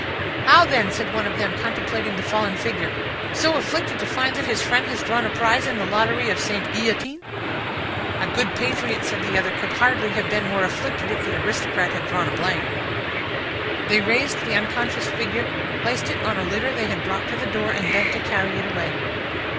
"How, then?" said one of them, contemplating the fallen figure. "So afflicted to find that his friend has drawn a prize in the lottery of Sainte Guillotine?" "A good patriot," said the other, "could hardly have been more afflicted if the Aristocrat had drawn a blank." They raised the unconscious figure, placed it on a litter they had brought to the door, and bent to carry it away.